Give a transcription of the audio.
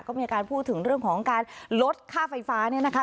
ก็มีการพูดถึงเรื่องของการลดค่าไฟฟ้าเนี่ยนะคะ